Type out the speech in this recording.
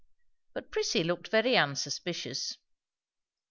But Prissy looked very unsuspicious.